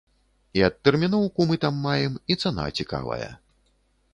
І адтэрміноўку мы там маем, і цана цікавая.